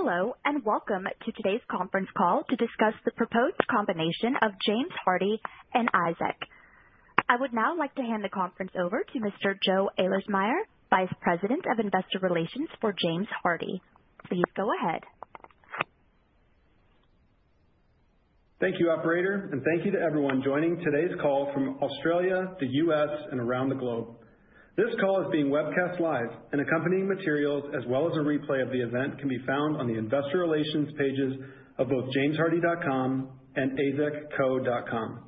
Hello, and welcome to today's conference call to discuss the proposed combination of James Hardie and AZEK. I would now like to hand the conference over to Mr. Joe Ahlersmeyer, Vice President of Investor Relations for James Hardie. Please go ahead. Thank you, Operator, and thank you to everyone joining today's call from Australia, the U.S. and around the globe. This call is being webcast live, and accompanying materials as well as a replay of the event can be found on the Investor Relations pages of both JamesHardie.com and azekco.com.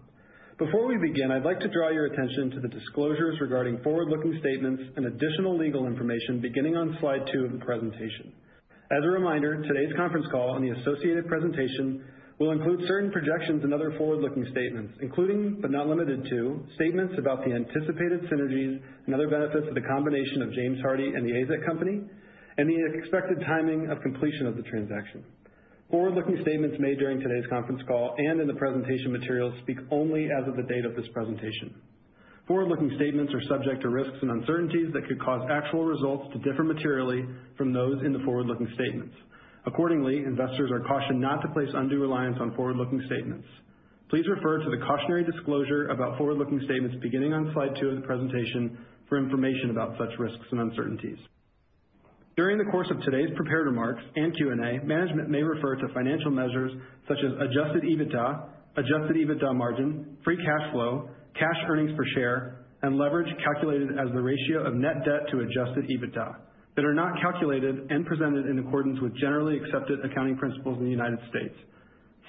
Before we begin, I'd like to draw your attention to the disclosures regarding forward-looking statements and additional legal information beginning on slide two of the presentation. As a reminder, today's conference call and the associated presentation will include certain projections and other forward-looking statements, including, but not limited to, statements about the anticipated synergies and other benefits of the combination of James Hardie and The AZEK Company, and the expected timing of completion of the transaction. Forward-looking statements made during today's conference call and in the presentation materials speak only as of the date of this presentation. Forward-looking statements are subject to risks and uncertainties that could cause actual results to differ materially from those in the forward-looking statements. Accordingly, investors are cautioned not to place undue reliance on forward-looking statements. Please refer to the cautionary disclosure about forward-looking statements beginning on slide two of the presentation for information about such risks and uncertainties. During the course of today's prepared remarks and Q&A, management may refer to financial measures such as adjusted EBITDA, adjusted EBITDA margin, free cash flow, cash earnings per share, and leverage calculated as the ratio of net debt to adjusted EBITDA that are not calculated and presented in accordance with generally accepted accounting principles in the United States.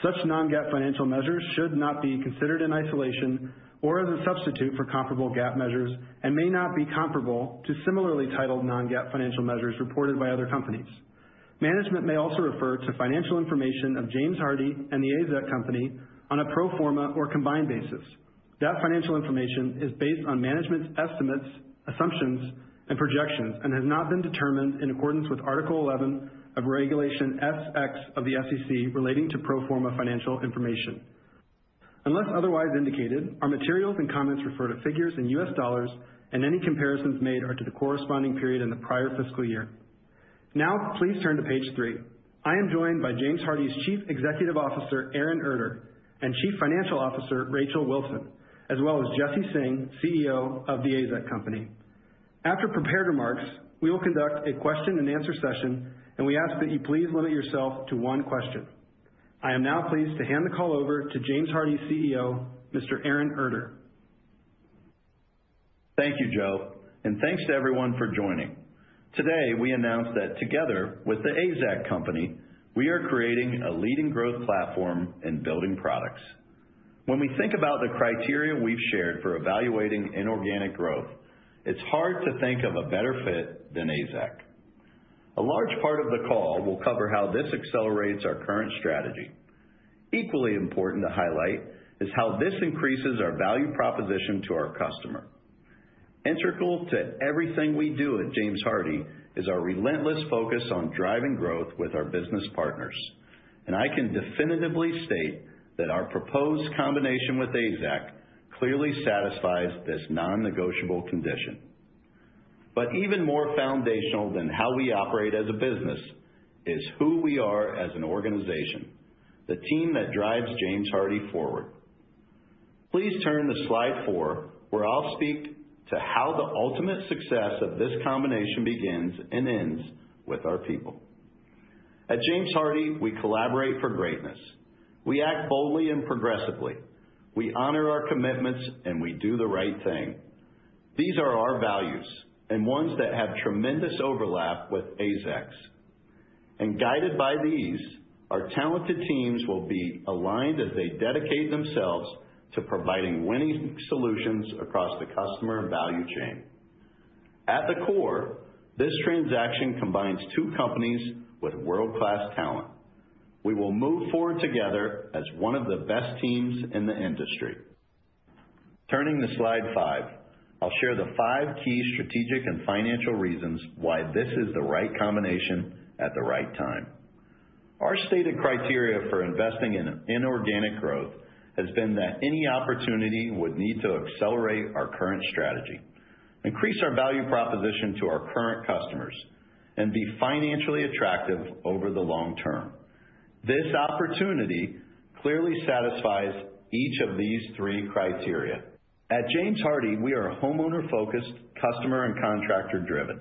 Such non-GAAP financial measures should not be considered in isolation or as a substitute for comparable GAAP measures and may not be comparable to similarly titled non-GAAP financial measures reported by other companies. Management may also refer to financial information of James Hardie and The AZEK Company on a pro forma or combined basis. That financial information is based on management's estimates, assumptions, and projections, and has not been determined in accordance with Article 11 of Regulation S-X of the SEC relating to pro forma financial information. Unless otherwise indicated, our materials and comments refer to figures in US dollars, and any comparisons made are to the corresponding period in the prior fiscal year. Now, please turn to page three. I am joined by James Hardie's Chief Executive Officer, Aaron Erter, and Chief Financial Officer, Rachel Wilson, as well as Jesse Singh, CEO of The AZEK Company. After prepared remarks, we will conduct a question-and-answer session, and we ask that you please limit yourself to one question. I am now pleased to hand the call over to James Hardie's CEO, Mr. Aaron Erter. Thank you, Joe, and thanks to everyone for joining. Today, we announce that together with The AZEK Company, we are creating a leading growth platform in building products. When we think about the criteria we've shared for evaluating inorganic growth, it's hard to think of a better fit than AZEK. A large part of the call will cover how this accelerates our current strategy. Equally important to highlight is how this increases our value proposition to our customer. Integral to everything we do at AZEK is our relentless focus on driving growth with our business partners, and I can definitively state that our proposed combination with AZEK clearly satisfies this non-negotiable condition. Even more foundational than how we operate as a business is who we are as an organization, the team that drives James Hardie forward. Please turn to slide four, where I'll speak to how the ultimate success of this combination begins and ends with our people. At James Hardie, we collaborate for greatness. We act boldly and progressively. We honor our commitments, and we do the right thing. These are our values and ones that have tremendous overlap with AZEK's. Guided by these, our talented teams will be aligned as they dedicate themselves to providing winning solutions across the customer value chain. At the core, this transaction combines two companies with world-class talent. We will move forward together as one of the best teams in the industry. Turning to slide five, I'll share the five key strategic and financial reasons why this is the right combination at the right time. Our stated criteria for investing in inorganic growth has been that any opportunity would need to accelerate our current strategy, increase our value proposition to our current customers, and be financially attractive over the long term. This opportunity clearly satisfies each of these three criteria. At James Hardie, we are homeowner-focused, customer and contractor-driven.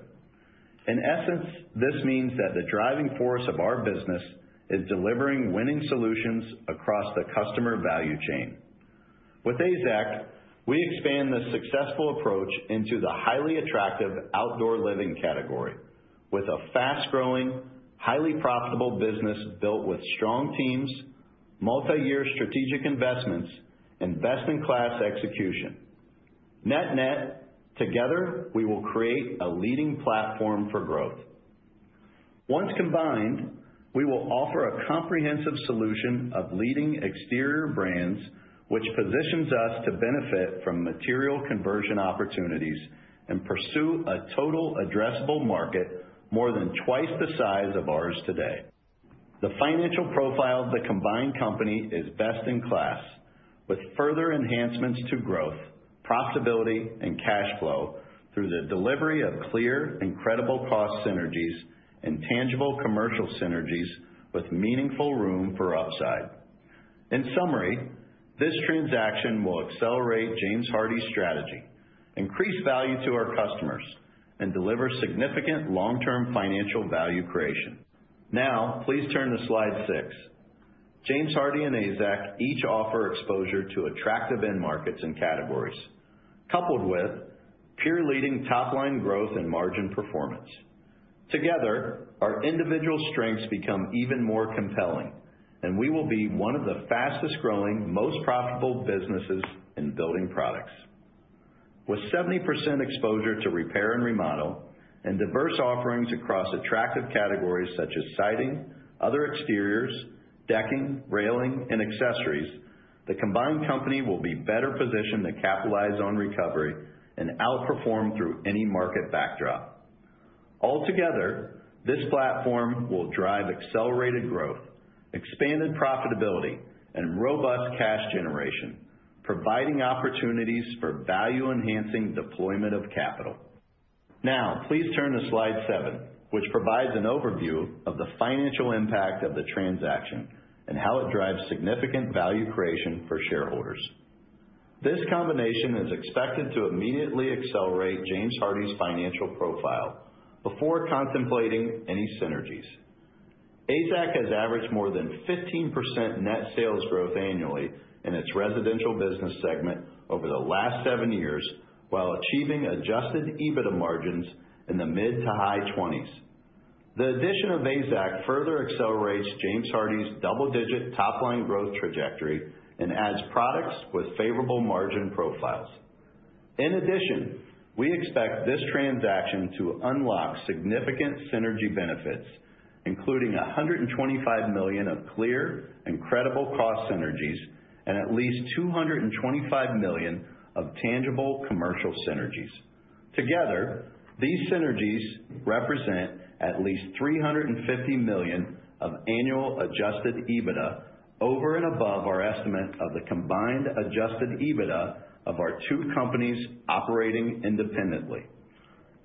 In essence, this means that the driving force of our business is delivering winning solutions across the customer value chain. With AZEK, we expand the successful approach into the highly attractive outdoor living category with a fast-growing, highly profitable business built with strong teams, multi-year strategic investments, and best-in-class execution. Net-net, together, we will create a leading platform for growth. Once combined, we will offer a comprehensive solution of leading exterior brands, which positions us to benefit from material conversion opportunities and pursue a total addressable market more than twice the size of ours today. The financial profile of the combined company is best-in-class, with further enhancements to growth, profitability, and cash flow through the delivery of clear, incredible cost synergies and tangible commercial synergies with meaningful room for upside. In summary, this transaction will accelerate James Hardie's strategy, increase value to our customers, and deliver significant long-term financial value creation. Now, please turn to slide six. James Hardie and AZEK each offer exposure to attractive end markets and categories, coupled with peer-leading top-line growth and margin performance. Together, our individual strengths become even more compelling, and we will be one of the fastest-growing, most profitable businesses in building products. With 70% exposure to repair and remodel and diverse offerings across attractive categories such as siding, other exteriors, decking, railing, and accessories, the combined company will be better positioned to capitalize on recovery and outperform through any market backdrop. Altogether, this platform will drive accelerated growth, expanded profitability, and robust cash generation, providing opportunities for value-enhancing deployment of capital. Now, please turn to slide seven, which provides an overview of the financial impact of the transaction and how it drives significant value creation for shareholders. This combination is expected to immediately accelerate James Hardie's financial profile before contemplating any synergies. AZEK has averaged more than 15% net sales growth annually in its residential business segment over the last seven years, while achieving adjusted EBITDA margins in the mid to high 20s. The addition of AZEK further accelerates James Hardie's double-digit top-line growth trajectory and adds products with favorable margin profiles. In addition, we expect this transaction to unlock significant synergy benefits, including $125 million of clear and credible cost synergies and at least $225 million of tangible commercial synergies. Together, these synergies represent at least $350 million of annual adjusted EBITDA over and above our estimate of the combined adjusted EBITDA of our two companies operating independently.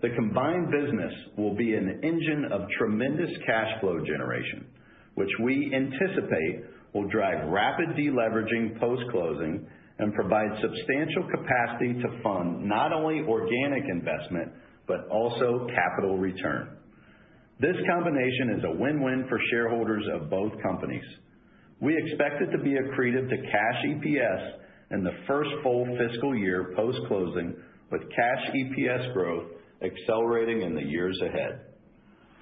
The combined business will be an engine of tremendous cash flow generation, which we anticipate will drive rapid deleveraging post-closing and provide substantial capacity to fund not only organic investment but also capital return. This combination is a win-win for shareholders of both companies. We expect it to be accretive to cash EPS in the first full fiscal year post-closing, with cash EPS growth accelerating in the years ahead.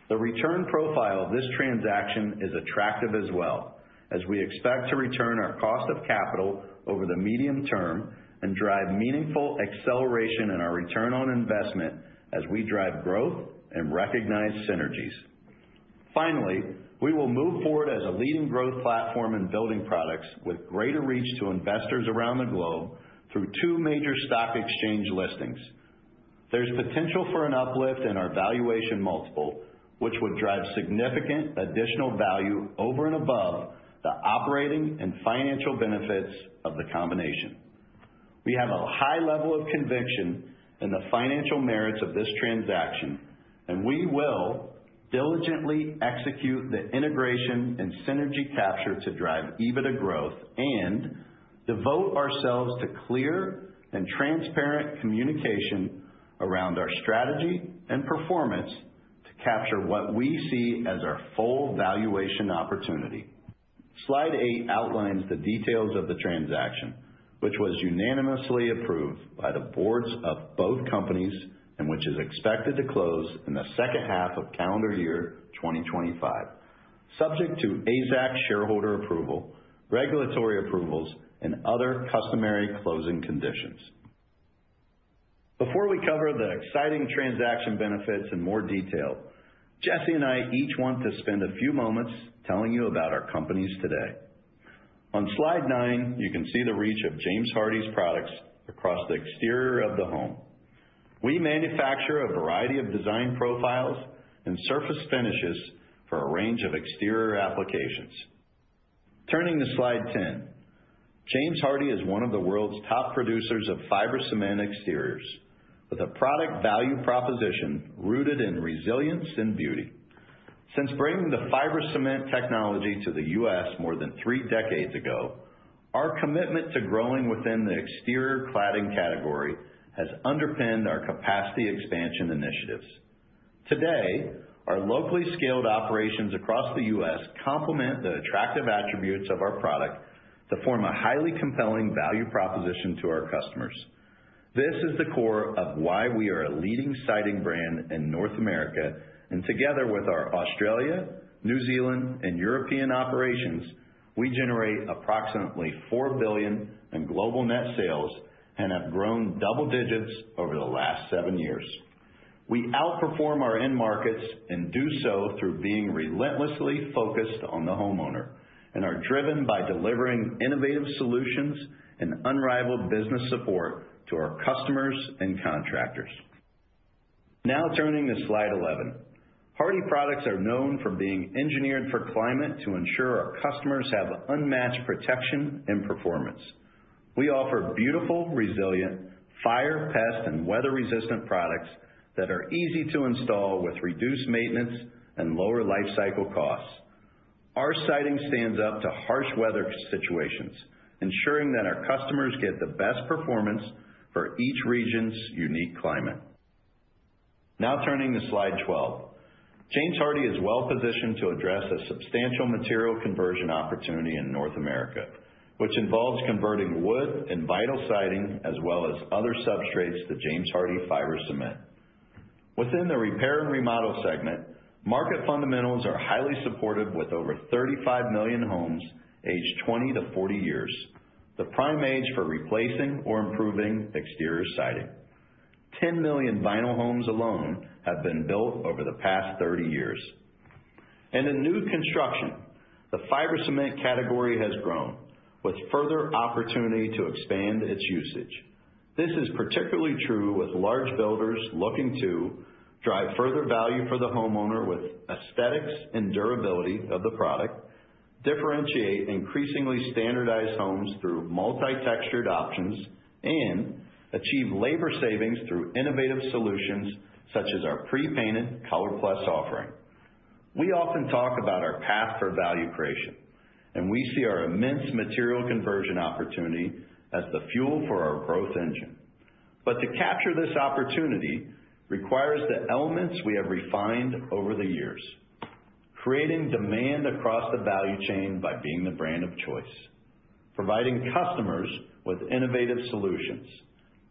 The return profile of this transaction is attractive as well, as we expect to return our cost of capital over the medium term and drive meaningful acceleration in our return on investment as we drive growth and recognize synergies. Finally, we will move forward as a leading growth platform in building products with greater reach to investors around the globe through two major stock exchange listings. There's potential for an uplift in our valuation multiple, which would drive significant additional value over and above the operating and financial benefits of the combination. We have a high level of conviction in the financial merits of this transaction, and we will diligently execute the integration and synergy capture to drive EBITDA growth and devote ourselves to clear and transparent communication around our strategy and performance to capture what we see as our full valuation opportunity. Slide eight outlines the details of the transaction, which was unanimously approved by the boards of both companies and which is expected to close in the second half of calendar year 2025, subject to AZEK shareholder approval, regulatory approvals, and other customary closing conditions. Before we cover the exciting transaction benefits in more detail, Jesse and I each want to spend a few moments telling you about our companies today. On slide nine, you can see the reach of James Hardie's products across the exterior of the home. We manufacture a variety of design profiles and surface finishes for a range of exterior applications. Turning to slide ten, James Hardie is one of the world's top producers of fiber cement exteriors, with a product value proposition rooted in resilience and beauty. Since bringing the fiber cement technology to the U.S. more than three decades ago, our commitment to growing within the exterior cladding category has underpinned our capacity expansion initiatives. Today, our locally scaled operations across the U.S. complement the attractive attributes of our product to form a highly compelling value proposition to our customers. This is the core of why we are a leading siding brand in North America, and together with our Australia, New Zealand, and European operations, we generate approximately $4 billion in global net sales and have grown double digits over the last seven years. We outperform our end markets and do so through being relentlessly focused on the homeowner and are driven by delivering innovative solutions and unrivaled business support to our customers and contractors. Now, turning to slide 11, Hardie products are known for being engineered for climate to ensure our customers have unmatched protection and performance. We offer beautiful, resilient, fire, pest, and weather-resistant products that are easy to install with reduced maintenance and lower life cycle costs. Our siding stands up to harsh weather situations, ensuring that our customers get the best performance for each region's unique climate. Now, turning to slide 12, James Hardie is well positioned to address a substantial material conversion opportunity in North America, which involves converting wood and vinyl siding as well as other substrates to James Hardie fiber cement. Within the repair and remodel segment, market fundamentals are highly supportive with over 35 million homes aged 20 to 40 years, the prime age for replacing or improving exterior siding. 10 million vinyl homes alone have been built over the past 30 years. In new construction, the fiber cement category has grown with further opportunity to expand its usage. This is particularly true with large builders looking to drive further value for the homeowner with aesthetics and durability of the product, differentiate increasingly standardized homes through multi-textured options, and achieve labor savings through innovative solutions such as our pre-painted ColorPlus offering. We often talk about our path for value creation, and we see our immense material conversion opportunity as the fuel for our growth engine. To capture this opportunity requires the elements we have refined over the years, creating demand across the value chain by being the brand of choice, providing customers with innovative solutions,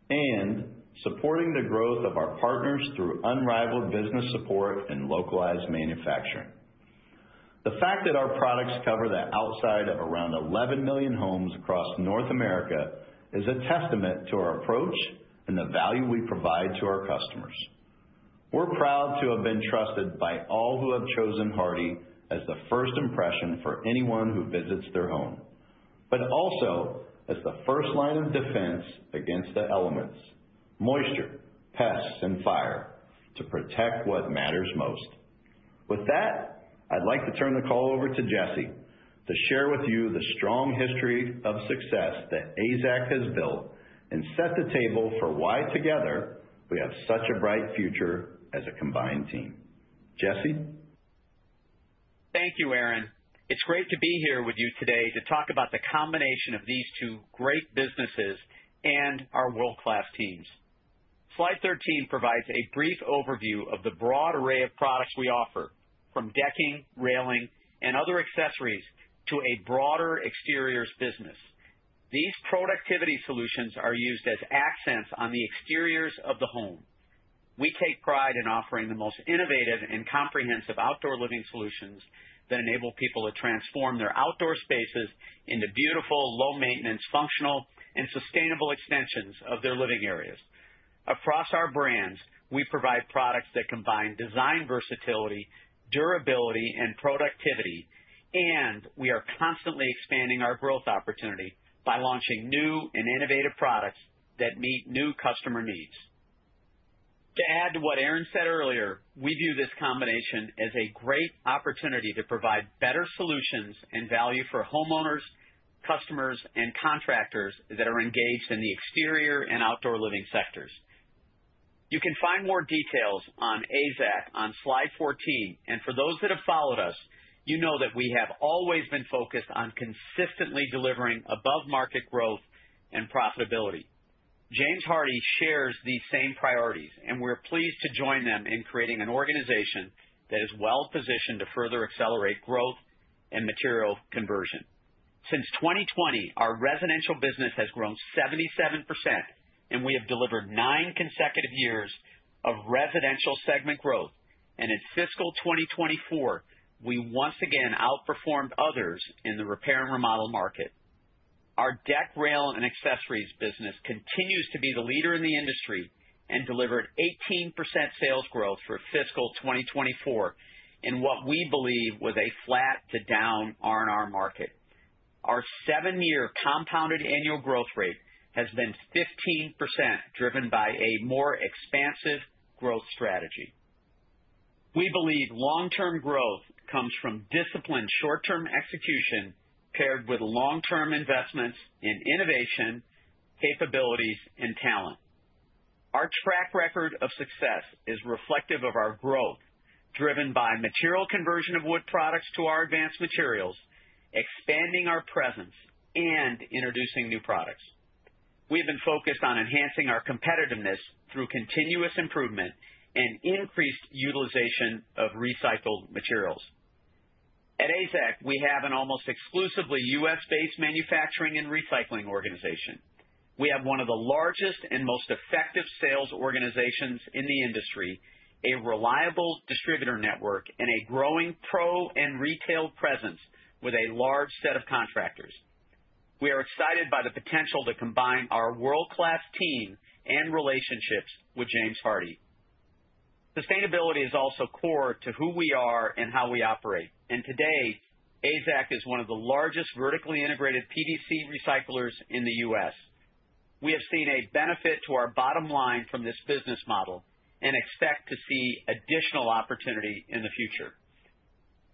and supporting the growth of our partners through unrivaled business support and localized manufacturing. The fact that our products cover the outside of around 11 million homes across North America is a testament to our approach and the value we provide to our customers. We're proud to have been trusted by all who have chosen Hardie as the first impression for anyone who visits their home, but also as the first line of defense against the elements, moisture, pests, and fire to protect what matters most. With that, I'd like to turn the call over to Jesse to share with you the strong history of success that AZEK has built and set the table for why together we have such a bright future as a combined team. Jesse. Thank you, Aaron. It's great to be here with you today to talk about the combination of these two great businesses and our world-class teams. Slide 13 provides a brief overview of the broad array of products we offer, from decking, railing, and other accessories to a broader exteriors business. These productivity solutions are used as accents on the exteriors of the home. We take pride in offering the most innovative and comprehensive outdoor living solutions that enable people to transform their outdoor spaces into beautiful, low-maintenance, functional, and sustainable extensions of their living areas. Across our brands, we provide products that combine design versatility, durability, and productivity, and we are constantly expanding our growth opportunity by launching new and innovative products that meet new customer needs. To add to what Aaron said earlier, we view this combination as a great opportunity to provide better solutions and value for homeowners, customers, and contractors that are engaged in the exterior and outdoor living sectors. You can find more details on AZEK on slide 14, and for those that have followed us, you know that we have always been focused on consistently delivering above-market growth and profitability. James Hardie shares these same priorities, and we're pleased to join them in creating an organization that is well positioned to further accelerate growth and material conversion. Since 2020, our residential business has grown 77%, and we have delivered nine consecutive years of residential segment growth, and in fiscal 2024, we once again outperformed others in the repair and remodel market. Our deck, rail, and accessories business continues to be the leader in the industry and delivered 18% sales growth for fiscal 2024 in what we believe was a flat-to-down R&R market. Our seven-year compounded annual growth rate has been 15%, driven by a more expansive growth strategy. We believe long-term growth comes from disciplined short-term execution paired with long-term investments in innovation, capabilities, and talent. Our track record of success is reflective of our growth, driven by material conversion of wood products to our advanced materials, expanding our presence, and introducing new products. We have been focused on enhancing our competitiveness through continuous improvement and increased utilization of recycled materials. At AZEK, we have an almost exclusively U.S.-based manufacturing and recycling organization. We have one of the largest and most effective sales organizations in the industry, a reliable distributor network, and a growing pro and retail presence with a large set of contractors. We are excited by the potential to combine our world-class team and relationships with James Hardie. Sustainability is also core to who we are and how we operate, and today, AZEK is one of the largest vertically integrated PVC recyclers in the U.S. We have seen a benefit to our bottom line from this business model and expect to see additional opportunity in the future.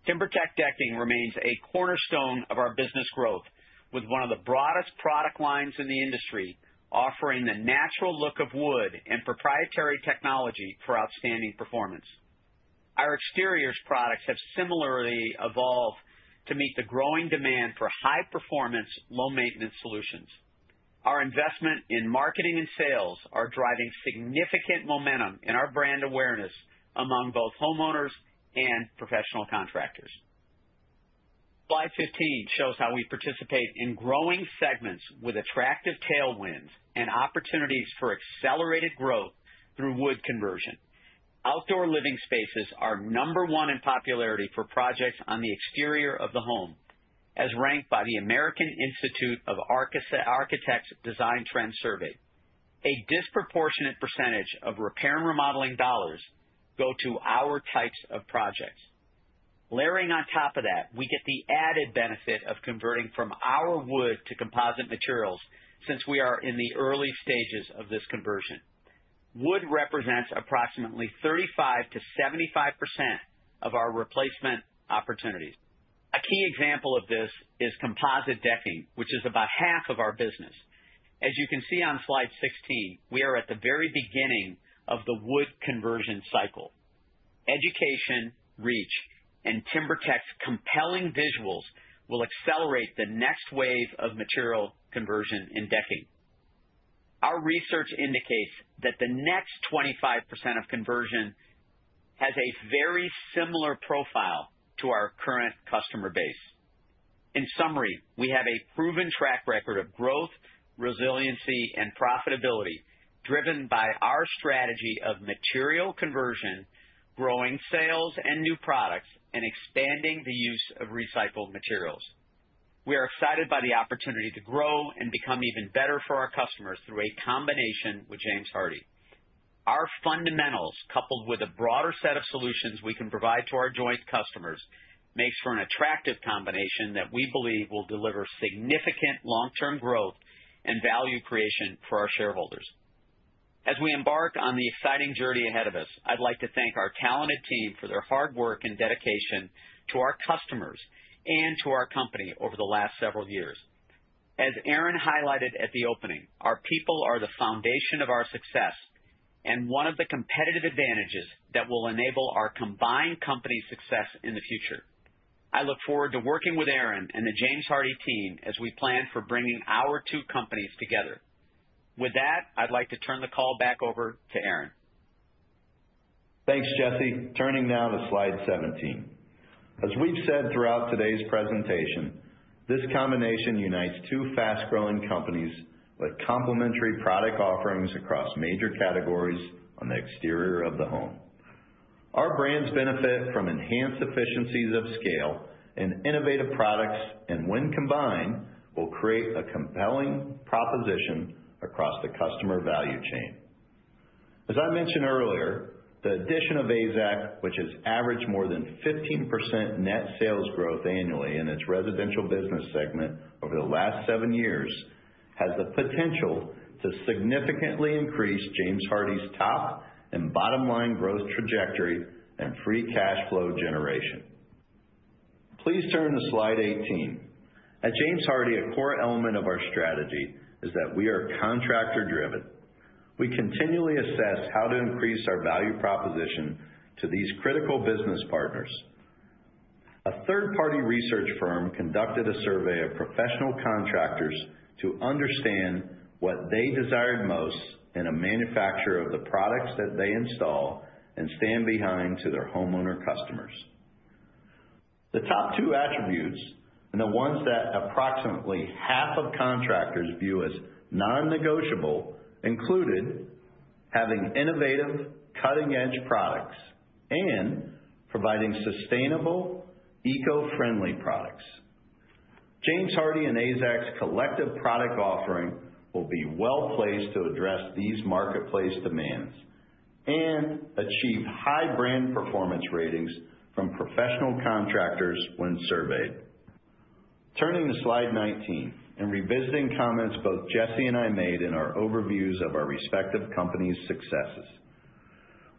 TimberTech decking remains a cornerstone of our business growth, with one of the broadest product lines in the industry offering the natural look of wood and proprietary technology for outstanding performance. Our exteriors products have similarly evolved to meet the growing demand for high-performance, low-maintenance solutions. Our investment in marketing and sales is driving significant momentum in our brand awareness among both homeowners and professional contractors. Slide 15 shows how we participate in growing segments with attractive tailwinds and opportunities for accelerated growth through wood conversion. Outdoor living spaces are number one in popularity for projects on the exterior of the home, as ranked by the American Institute of Architects' Design Trend Survey. A disproportionate percentage of repair and remodeling dollars go to our types of projects. Layering on top of that, we get the added benefit of converting from our wood to composite materials since we are in the early stages of this conversion. Wood represents approximately 35%-75% of our replacement opportunities. A key example of this is composite decking, which is about half of our business. As you can see on slide 16, we are at the very beginning of the wood conversion cycle. Education, reach, and TimberTech's compelling visuals will accelerate the next wave of material conversion in decking. Our research indicates that the next 25% of conversion has a very similar profile to our current customer base. In summary, we have a proven track record of growth, resiliency, and profitability driven by our strategy of material conversion, growing sales and new products, and expanding the use of recycled materials. We are excited by the opportunity to grow and become even better for our customers through a combination with James Hardie. Our fundamentals, coupled with a broader set of solutions we can provide to our joint customers, make for an attractive combination that we believe will deliver significant long-term growth and value creation for our shareholders. As we embark on the exciting journey ahead of us, I'd like to thank our talented team for their hard work and dedication to our customers and to our company over the last several years. As Aaron highlighted at the opening, our people are the foundation of our success and one of the competitive advantages that will enable our combined company success in the future. I look forward to working with Aaron and the James Hardie team as we plan for bringing our two companies together. With that, I'd like to turn the call back over to Aaron. Thanks, Jesse. Turning now to slide 17. As we've said throughout today's presentation, this combination unites two fast-growing companies with complementary product offerings across major categories on the exterior of the home. Our brands benefit from enhanced efficiencies of scale and innovative products, and when combined, will create a compelling proposition across the customer value chain. As I mentioned earlier, the addition of AZEK, which has averaged more than 15% net sales growth annually in its residential business segment over the last seven years, has the potential to significantly increase James Hardie's top and bottom line growth trajectory and free cash flow generation. Please turn to slide 18. At James Hardie, a core element of our strategy is that we are contractor-driven. We continually assess how to increase our value proposition to these critical business partners. A third-party research firm conducted a survey of professional contractors to understand what they desired most in a manufacturer of the products that they install and stand behind to their homeowner customers. The top two attributes and the ones that approximately half of contractors view as non-negotiable included having innovative, cutting-edge products and providing sustainable, eco-friendly products. James Hardie and AZEK's collective product offering will be well placed to address these marketplace demands and achieve high brand performance ratings from professional contractors when surveyed. Turning to slide 19 and revisiting comments both Jesse and I made in our overviews of our respective companies' successes,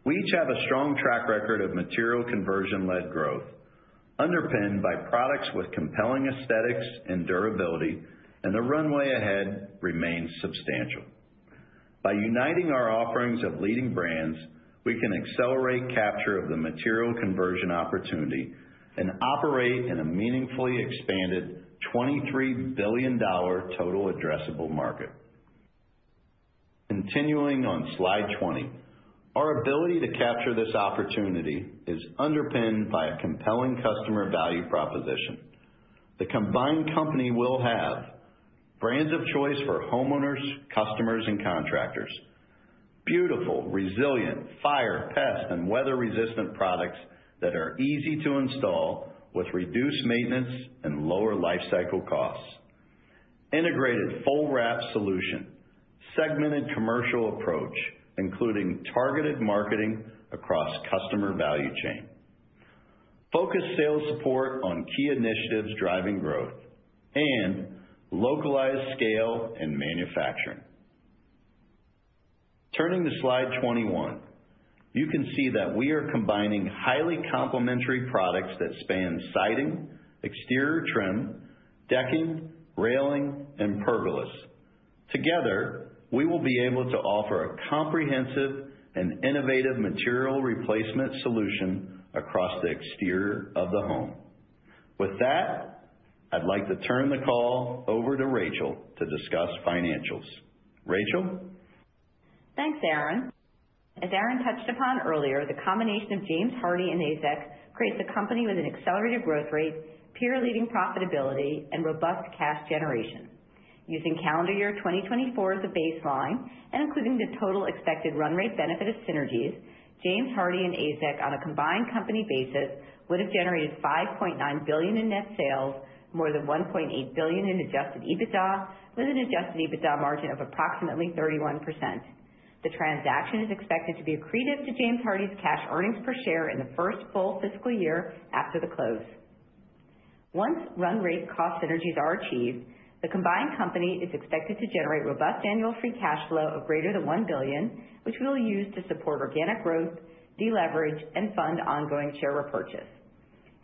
we each have a strong track record of material conversion-led growth underpinned by products with compelling aesthetics and durability, and the runway ahead remains substantial. By uniting our offerings of leading brands, we can accelerate capture of the material conversion opportunity and operate in a meaningfully expanded $23 billion total addressable market. Continuing on slide 20, our ability to capture this opportunity is underpinned by a compelling customer value proposition. The combined company will have brands of choice for homeowners, customers, and contractors: beautiful, resilient, fire, pest, and weather-resistant products that are easy to install with reduced maintenance and lower life cycle costs, integrated full-wrap solution, segmented commercial approach, including targeted marketing across customer value chain, focused sales support on key initiatives driving growth, and localized scale and manufacturing. Turning to slide 21, you can see that we are combining highly complementary products that span siding, exterior trim, decking, railing, and pergolas. Together, we will be able to offer a comprehensive and innovative material replacement solution across the exterior of the home. With that, I'd like to turn the call over to Rachel to discuss financials. Rachel? Thanks, Aaron. As Aaron touched upon earlier, the combination of James Hardie and AZEK creates a company with an accelerated growth rate, peer-leading profitability, and robust cash generation. Using calendar year 2024 as a baseline and including the total expected run rate benefit of synergies, James Hardie and AZEK, on a combined company basis, would have generated $5.9 billion in net sales, more than $1.8 billion in adjusted EBITDA, with an adjusted EBITDA margin of approximately 31%. The transaction is expected to be accretive to James Hardie's cash earnings per share in the first full fiscal year after the close. Once run rate cost synergies are achieved, the combined company is expected to generate robust annual free cash flow of greater than $1 billion, which we will use to support organic growth, deleverage, and fund ongoing share repurchase.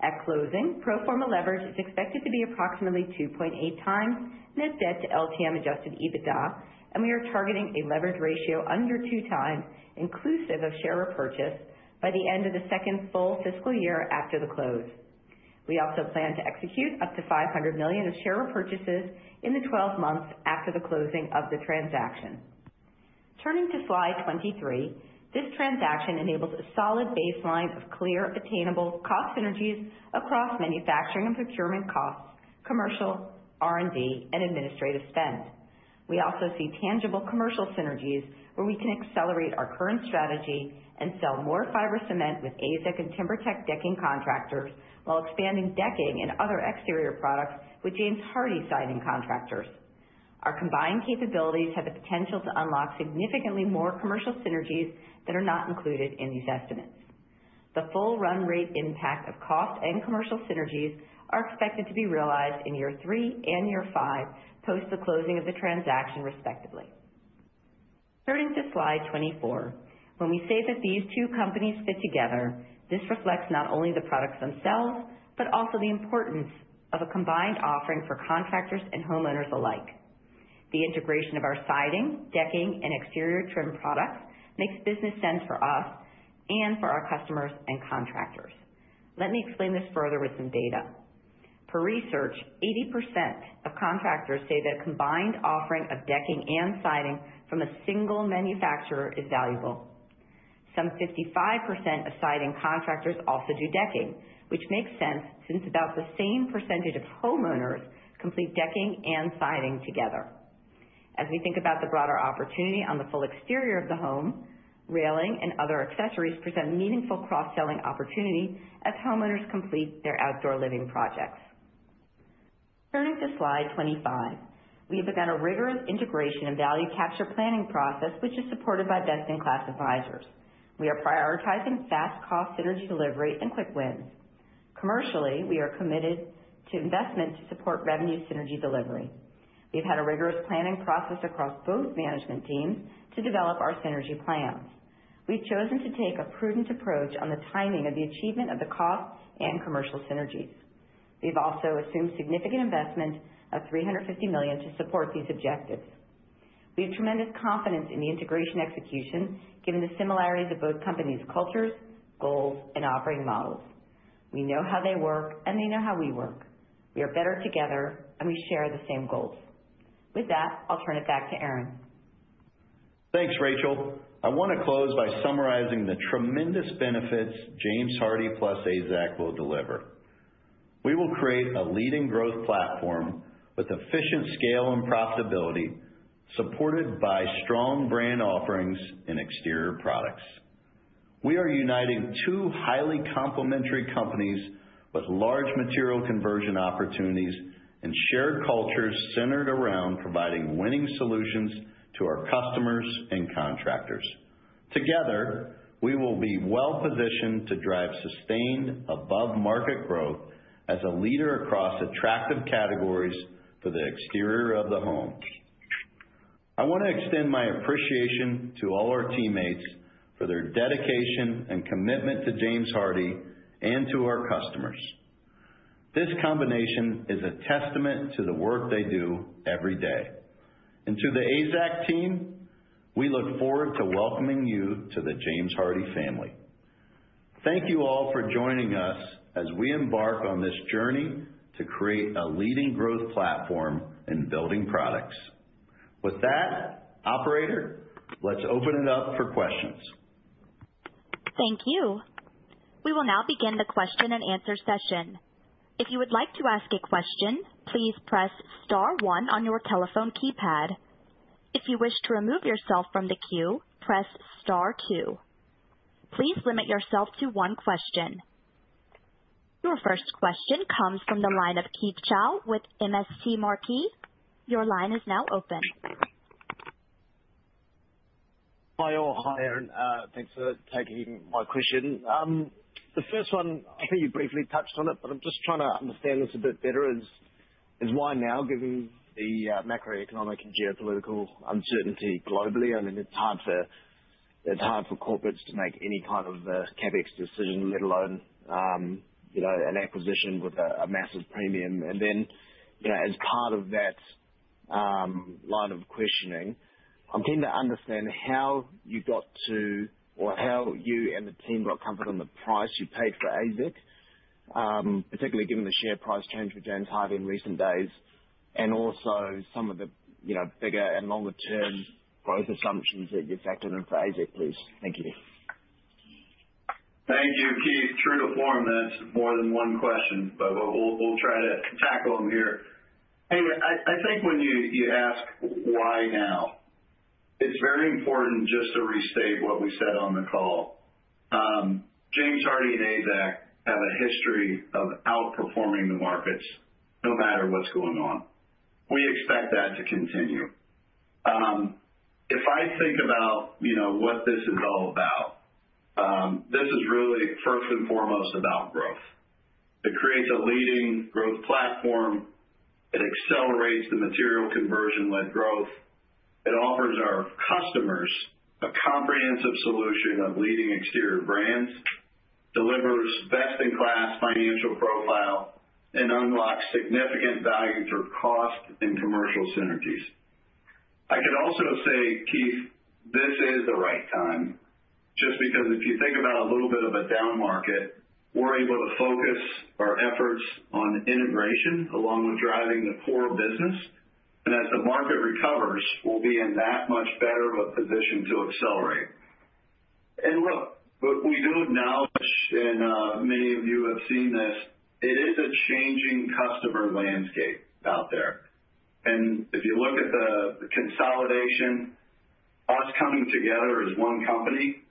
At closing, pro forma leverage is expected to be approximately 2.8x net debt to LTM-adjusted EBITDA, and we are targeting a leverage ratio under 2x inclusive of share repurchase by the end of the second full fiscal year after the close. We also plan to execute up to $500 million of share repurchases in the 12 months after the closing of the transaction. Turning to slide 23, this transaction enables a solid baseline of clear, attainable cost synergies across manufacturing and procurement costs, commercial, R&D, and administrative spend. We also see tangible commercial synergies where we can accelerate our current strategy and sell more fiber cement with AZEK and TimberTech decking contractors while expanding decking and other exterior products with James Hardie siding contractors. Our combined capabilities have the potential to unlock significantly more commercial synergies that are not included in these estimates. The full run rate impact of cost and commercial synergies are expected to be realized in year three and year five post the closing of the transaction, respectively. Turning to slide 24, when we say that these two companies fit together, this reflects not only the products themselves but also the importance of a combined offering for contractors and homeowners alike. The integration of our siding, decking, and exterior trim products makes business sense for us and for our customers and contractors. Let me explain this further with some data. Per research, 80% of contractors say that a combined offering of decking and siding from a single manufacturer is valuable. Some 55% of siding contractors also do decking, which makes sense since about the same percentage of homeowners complete decking and siding together. As we think about the broader opportunity on the full exterior of the home, railing and other accessories present a meaningful cross-selling opportunity as homeowners complete their outdoor living projects. Turning to slide 25, we have begun a rigorous integration and value capture planning process, which is supported by best-in-class advisors. We are prioritizing fast cost synergy delivery and quick wins. Commercially, we are committed to investment to support revenue synergy delivery. We've had a rigorous planning process across both management teams to develop our synergy plans. We've chosen to take a prudent approach on the timing of the achievement of the cost and commercial synergies. We've also assumed significant investment of $350 million to support these objectives. We have tremendous confidence in the integration execution given the similarities of both companies' cultures, goals, and operating models. We know how they work, and they know how we work. We are better together, and we share the same goals. With that, I'll turn it back to Aaron. Thanks, Rachel. I want to close by summarizing the tremendous benefits James Hardie plus AZEK will deliver. We will create a leading growth platform with efficient scale and profitability supported by strong brand offerings and exterior products. We are uniting two highly complementary companies with large material conversion opportunities and shared cultures centered around providing winning solutions to our customers and contractors. Together, we will be well positioned to drive sustained above-market growth as a leader across attractive categories for the exterior of the home. I want to extend my appreciation to all our teammates for their dedication and commitment to James Hardie and to our customers. This combination is a testament to the work they do every day. To the AZEK team, we look forward to welcoming you to the James Hardie family. Thank you all for joining us as we embark on this journey to create a leading growth platform in building products. With that, operator, let's open it up for questions. Thank you. We will now begin the question-and-answer session. If you would like to ask a question, please press star one on your telephone keypad. If you wish to remove yourself from the queue, press star two. Please limit yourself to one question. Your first question comes from the line of Keith Chau with MST Marquee. Your line is now open. Hi all. Hi, Aaron. Thanks for taking my question. The first one, I think you briefly touched on it, but I'm just trying to understand this a bit better is why now, given the macroeconomic and geopolitical uncertainty globally. I mean, it's hard for corporates to make any kind of CapEx decision, let alone an acquisition with a massive premium. As part of that line of questioning, I'm keen to understand how you got to or how you and the team got comfortable on the price you paid for AZEK, particularly given the share price change with James Hardie in recent days, and also some of the bigger and longer-term growth assumptions that you've factored into AZEK, please. Thank you. Thank you, Keith. True to form, that's more than one question, but we'll try to tackle them here. Hey, I think when you ask why now, it's very important just to restate what we said on the call. James Hardie and AZEK have a history of outperforming the markets no matter what's going on. We expect that to continue. If I think about what this is all about, this is really first and foremost about growth. It creates a leading growth platform. It accelerates the material conversion-led growth. It offers our customers a comprehensive solution of leading exterior brands, delivers best-in-class financial profile, and unlocks significant value through cost and commercial synergies. I could also say, Keith, this is the right time just because if you think about a little bit of a down market, we're able to focus our efforts on integration along with driving the core business. As the market recovers, we'll be in that much better of a position to accelerate. Look, we do acknowledge, and many of you have seen this, it is a changing customer landscape out there. If you look at the consolidation, us coming together as one company,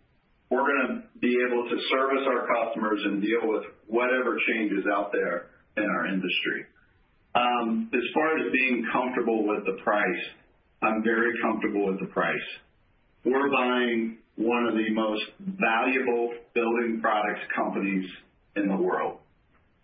we're going to be able to service our customers and deal with whatever changes out there in our industry. As far as being comfortable with the price, I'm very comfortable with the price. We're buying one of the most valuable building products companies in the world.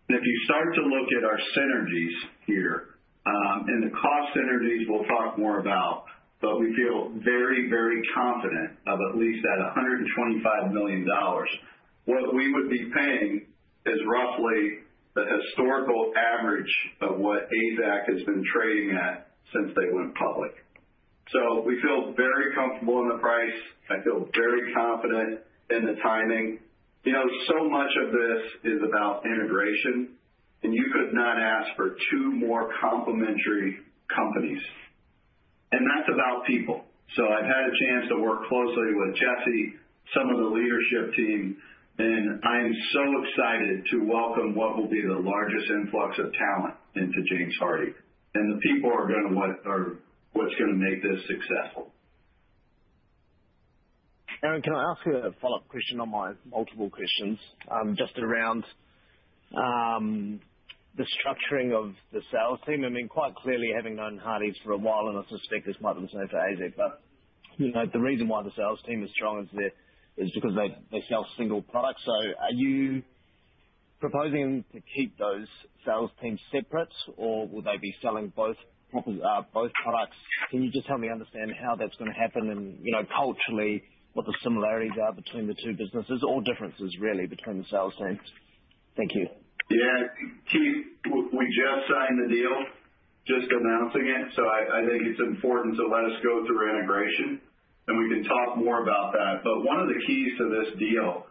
If you start to look at our synergies here and the cost synergies we'll talk more about, we feel very, very confident of at least that $125 million. What we would be paying is roughly the historical average of what AZEK has been trading at since they went public. We feel very comfortable on the price. I feel very confident in the timing. Much of this is about integration, and you could not ask for two more complementary companies. That is about people. I have had a chance to work closely with Jesse, some of the leadership team, and I am so excited to welcome what will be the largest influx of talent into James Hardie. The people are going to be what is going to make this successful. Aaron, can I ask you a follow-up question on my multiple questions just around the structuring of the sales team? I mean, quite clearly, having known Hardie’s for a while, and I suspect this might be the same for AZEK, but the reason why the sales team is strong is because they sell single products. Are you proposing to keep those sales teams separate, or will they be selling both products? Can you just help me understand how that's going to happen and culturally what the similarities are between the two businesses or differences really between the sales teams? Thank you. Yeah. Keith, we just signed the deal, just announcing it. I think it's important to let us go through integration, and we can talk more about that. One of the keys to this deal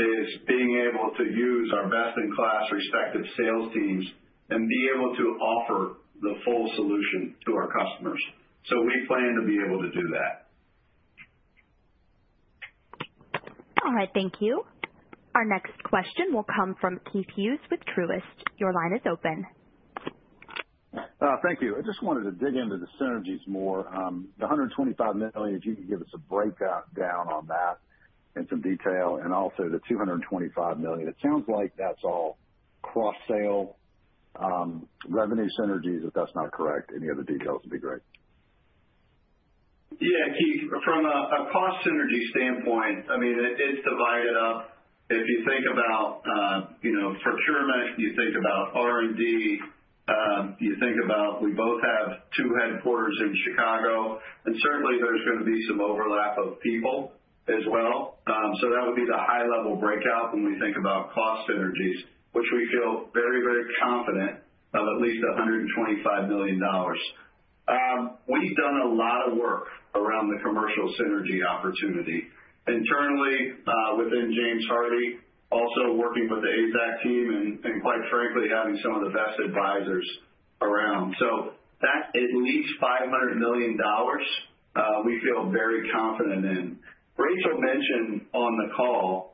is being able to use our best-in-class respective sales teams and be able to offer the full solution to our customers. We plan to be able to do that. All right. Thank you. Our next question will come from Keith Hughes with Truist. Your line is open. Thank you. I just wanted to dig into the synergies more. The $125 million, if you could give us a breakdown on that in some detail, and also the $225 million. It sounds like that's all cross-sale revenue synergies. If that's not correct, any other details would be great. Yeah. Keith, from a cost synergy standpoint, I mean, it's divided up. If you think about procurement, you think about R&D, you think about we both have two headquarters in Chicago, and certainly there's going to be some overlap of people as well. That would be the high-level breakout when we think about cost synergies, which we feel very, very confident of at least $125 million. We've done a lot of work around the commercial synergy opportunity internally within James Hardie, also working with the AZEK team and, quite frankly, having some of the best advisors around. That at least $500 million, we feel very confident in. Rachel mentioned on the call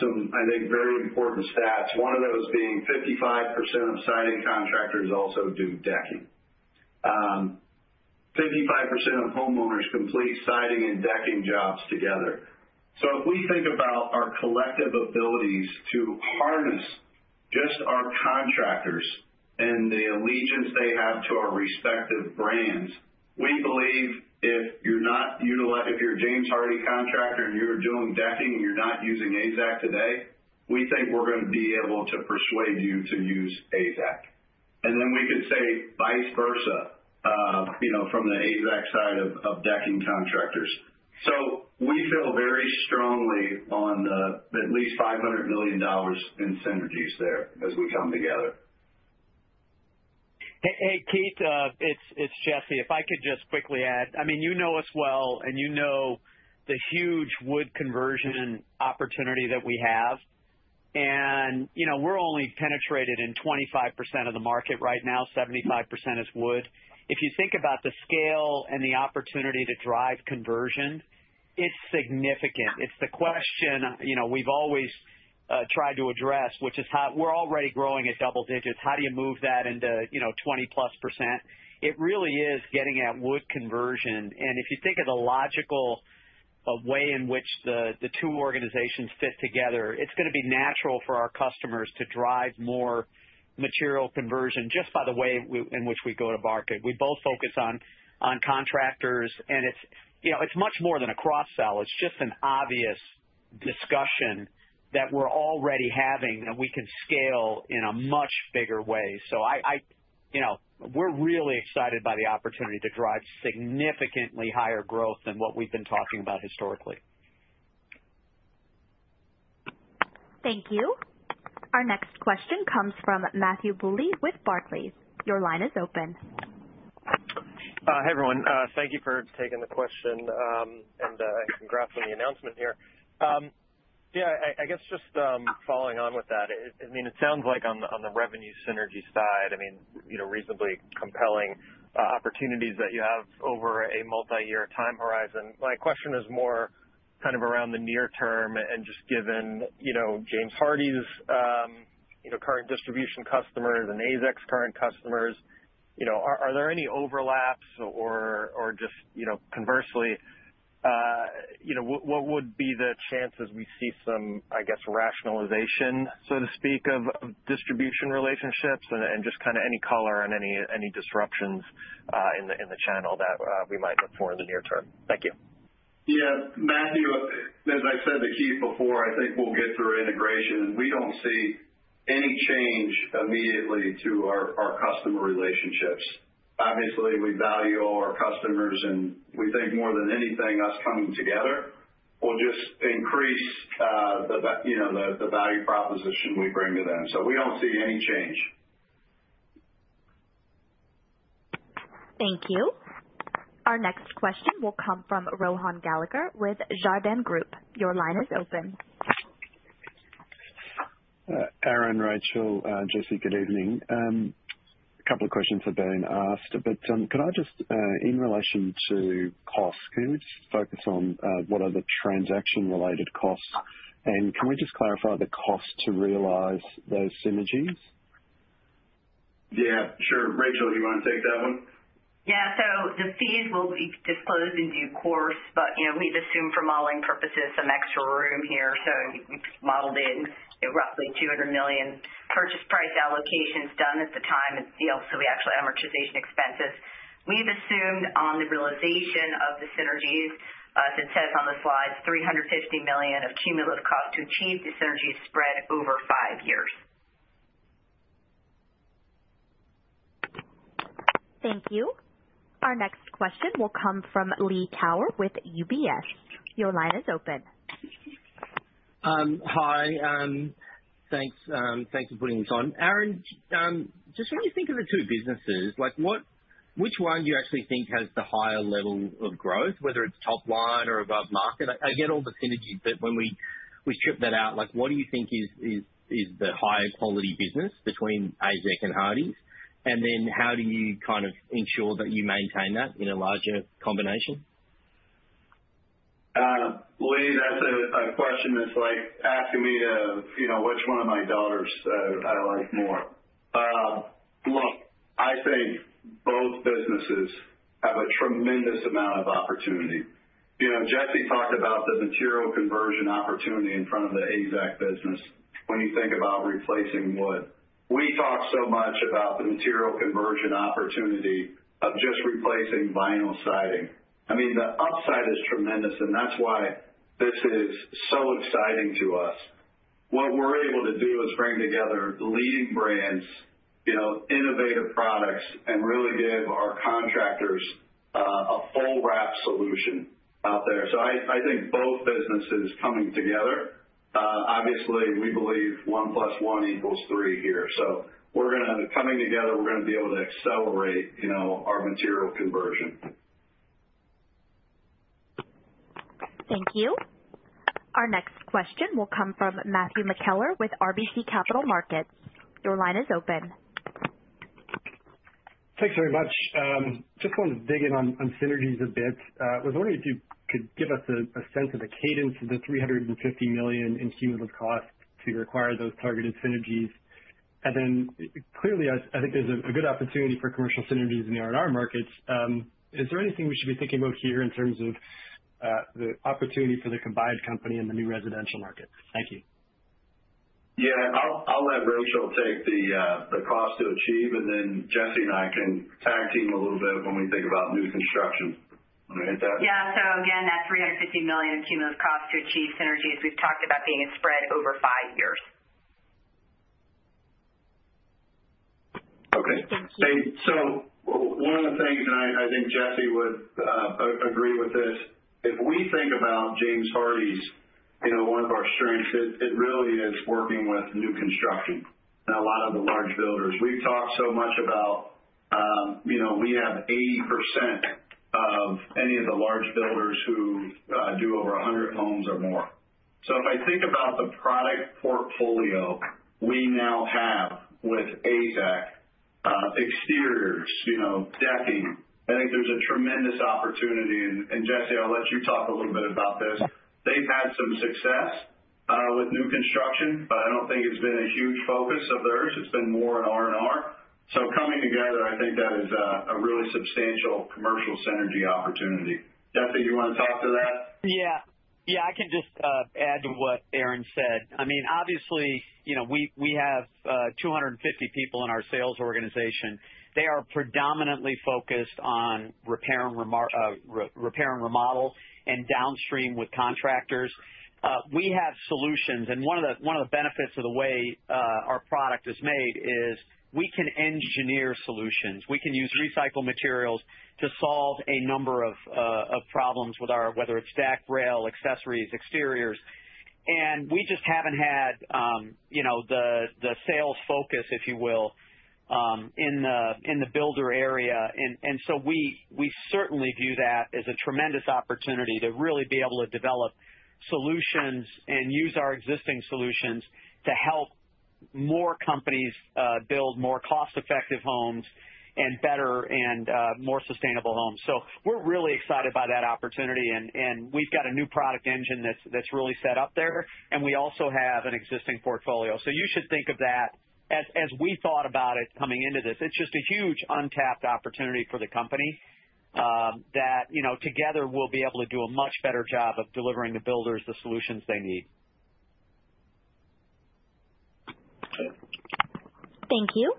some I think very important stats, one of those being 55% of siding contractors also do decking, 55% of homeowners complete siding and decking jobs together. If we think about our collective abilities to harness just our contractors and the allegiance they have to our respective brands, we believe if you are a James Hardie contractor and you are doing decking and you are not using AZEK today, we think we are going to be able to persuade you to use AZEK. We could say vice versa from the AZEK side of decking contractors. We feel very strongly on the at least $500 million in synergies there as we come together. Hey, Keith, it is Jesse. If I could just quickly add, I mean, you know us well, and you know the huge wood conversion opportunity that we have. We're only penetrated in 25% of the market right now. 75% is wood. If you think about the scale and the opportunity to drive conversion, it's significant. It's the question we've always tried to address, which is how we're already growing at double digits. How do you move that into 20%+? It really is getting at wood conversion. If you think of the logical way in which the two organizations fit together, it's going to be natural for our customers to drive more material conversion just by the way in which we go to market. We both focus on contractors, and it's much more than a cross-sell. It's just an obvious discussion that we're already having that we can scale in a much bigger way. We're really excited by the opportunity to drive significantly higher growth than what we've been talking about historically. Thank you. Our next question comes from Matthew Bouley with Barclays. Your line is open. Hey, everyone. Thank you for taking the question, and congrats on the announcement here. Yeah, I guess just following on with that, I mean, it sounds like on the revenue synergy side, I mean, reasonably compelling opportunities that you have over a multi-year time horizon. My question is more kind of around the near term and just given James Hardie's current distribution customers and AZEK's current customers, are there any overlaps or just conversely, what would be the chances we see some, I guess, rationalization, so to speak, of distribution relationships and just kind of any color on any disruptions in the channel that we might look for in the near term? Thank you. Yeah. Matthew, as I said to Keith before, I think we'll get through integration. We do not see any change immediately to our customer relationships. Obviously, we value all our customers, and we think more than anything us coming together will just increase the value proposition we bring to them. We do not see any change. Thank you. Our next question will come from Rohan Gallagher with Jarden Group. Your line is open. Aaron, Rachel, Jesse, good evening. A couple of questions have been asked, but can I just, in relation to costs, can we just focus on what are the transaction-related costs? And can we just clarify the cost to realize those synergies? Yeah. Sure. Rachel, do you want to take that one? Yeah. The fees will be disclosed in due course, but we have assumed for modeling purposes some extra room here. We have modeled in roughly $200 million purchase price allocations done at the time of the deal. We actually have amortization expenses. We've assumed on the realization of the synergies, as it says on the slides, $350 million of cumulative cost to achieve the synergy spread over five years. Thank you. Our next question will come from Lee Power with UBS. Your line is open. Hi. Thanks for putting this on. Aaron, just when you think of the two businesses, which one do you actually think has the higher level of growth, whether it's top line or above market? I get all the synergies, but when we strip that out, what do you think is the higher quality business between AZEK and Hardie’s? And then how do you kind of ensure that you maintain that in a larger combination? Lee, that's a question that's like asking me which one of my daughters I like more. Look, I think both businesses have a tremendous amount of opportunity. Jesse talked about the material conversion opportunity in front of the AZEK business when you think about replacing wood. We talk so much about the material conversion opportunity of just replacing vinyl siding. I mean, the upside is tremendous, and that's why this is so exciting to us. What we're able to do is bring together leading brands, innovative products, and really give our contractors a full-wrap solution out there. I think both businesses coming together, obviously, we believe one plus one equals three here. Coming together, we're going to be able to accelerate our material conversion. Thank you. Our next question will come from Matthew McKellar with RBC Capital Markets. Your line is open. Thanks very much. Just wanted to dig in on synergies a bit. I was wondering if you could give us a sense of the cadence of the $350 million in cumulative cost to require those targeted synergies. And then clearly, I think there's a good opportunity for commercial synergies in the R&R markets. Is there anything we should be thinking about here in terms of the opportunity for the combined company and the new residential markets? Thank you. Yeah. I'll let Rachel take the cost to achieve, and then Jesse and I can tag team a little bit when we think about new construction. Can I get that? Yeah. So again, that $350 million in cumulative cost to achieve synergies, we've talked about being a spread over five years. Okay, one of the things, and I think Jesse would agree with this, if we think about James Hardie's, one of our strengths, it really is working with new construction and a lot of the large builders. We've talked so much about we have 80% of any of the large builders who do over 100 homes or more. If I think about the product portfolio we now have with AZEK, exteriors, decking, I think there's a tremendous opportunity. Jesse, I'll let you talk a little bit about this. They've had some success with new construction, but I don't think it's been a huge focus of theirs. It's been more in R&R. Coming together, I think that is a really substantial commercial synergy opportunity. Jesse, do you want to talk to that? Yeah. Yeah. I can just add to what Aaron said. I mean, obviously, we have 250 people in our sales organization. They are predominantly focused on repair and remodel and downstream with contractors. We have solutions. One of the benefits of the way our product is made is we can engineer solutions. We can use recycled materials to solve a number of problems with our, whether it's deck, rail, accessories, exteriors. We just haven't had the sales focus, if you will, in the builder area. We certainly view that as a tremendous opportunity to really be able to develop solutions and use our existing solutions to help more companies build more cost-effective homes and better and more sustainable homes. We are really excited by that opportunity. We have got a new product engine that's really set up there. We also have an existing portfolio. You should think of that as we thought about it coming into this. It is just a huge untapped opportunity for the company that together we will be able to do a much better job of delivering the builders the solutions they need. Thank you.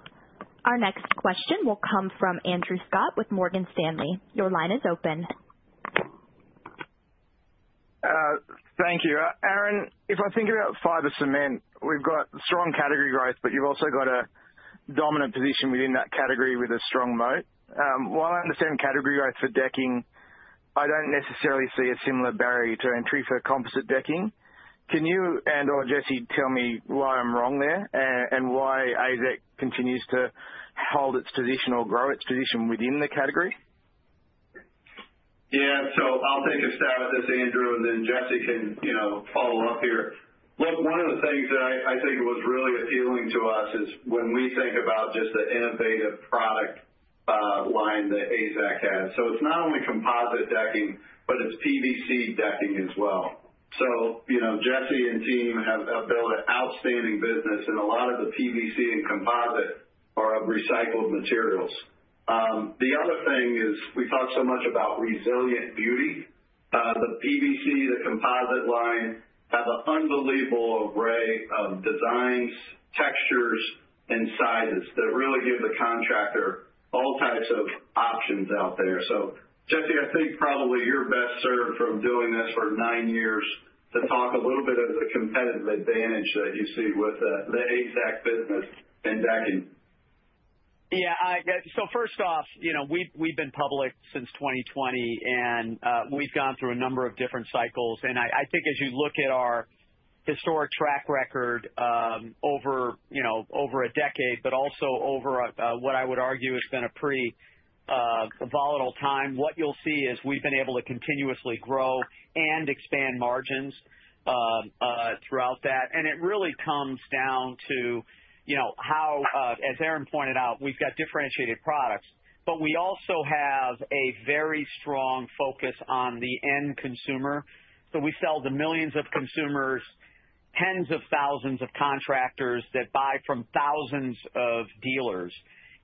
Our next question will come from Andrew Scott with Morgan Stanley. Your line is open. Thank you. Aaron, if I think about fiber cement, we have strong category growth, but you have also got a dominant position within that category with a strong moat. While I understand category growth for decking, I do not necessarily see a similar barrier to entry for composite decking. Can you and/or Jesse tell me why I am wrong there and why AZEK continues to hold its position or grow its position within the category? Yeah. I will take a stab at this, Andrew, and then Jesse can follow up here. Look, one of the things that I think was really appealing to us is when we think about just the innovative product line that AZEK has. It is not only composite decking, but it is PVC decking as well. Jesse and team have built an outstanding business, and a lot of the PVC and composite are of recycled materials. The other thing is we talk so much about resilient beauty. The PVC, the composite line have an unbelievable array of designs, textures, and sizes that really give the contractor all types of options out there. Jesse, I think probably you are best served from doing this for nine years to talk a little bit of the competitive advantage that you see with the AZEK business and decking. Yeah. First off, we have been public since 2020, and we have gone through a number of different cycles. I think as you look at our historic track record over a decade, but also over what I would argue has been a pretty volatile time, what you'll see is we've been able to continuously grow and expand margins throughout that. It really comes down to how, as Aaron pointed out, we've got differentiated products, but we also have a very strong focus on the end consumer. We sell to millions of consumers, tens of thousands of contractors that buy from thousands of dealers.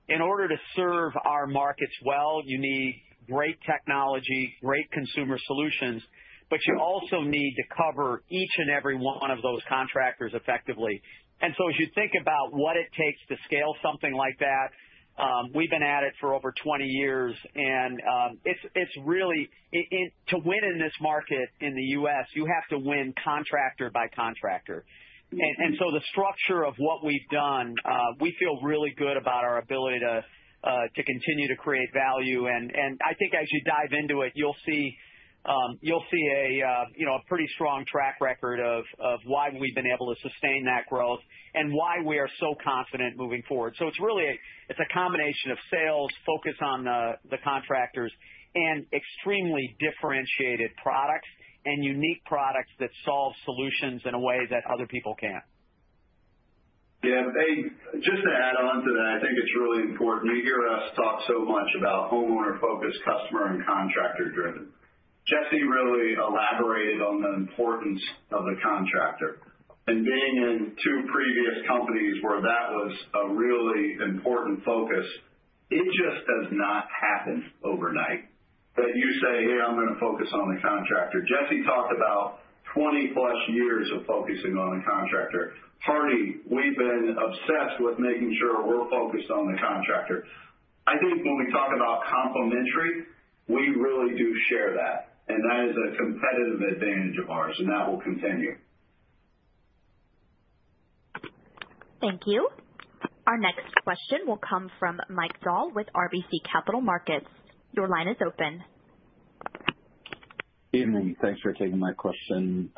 In order to serve our markets well, you need great technology, great consumer solutions, but you also need to cover each and every one of those contractors effectively. As you think about what it takes to scale something like that, we've been at it for over 20 years. It is really to win in this market in the U.S., you have to win contractor by contractor. The structure of what we have done, we feel really good about our ability to continue to create value. I think as you dive into it, you will see a pretty strong track record of why we have been able to sustain that growth and why we are so confident moving forward. It is a combination of sales, focus on the contractors, and extremely differentiated products and unique products that solve solutions in a way that other people cannot. Yeah. Just to add on to that, I think it is really important. We hear us talk so much about homeowner-focused, customer and contractor-driven. Jesse really elaborated on the importance of the contractor. Being in two previous companies where that was a really important focus, it just does not happen overnight that you say, "Hey, I'm going to focus on the contractor." Jesse talked about 20+ years of focusing on the contractor. Hardie, we've been obsessed with making sure we're focused on the contractor. I think when we talk about complementary, we really do share that. That is a competitive advantage of ours, and that will continue. Thank you. Our next question will come from Mike Dahl with RBC Capital Markets. Your line is open. Good evening. Thanks for taking my question.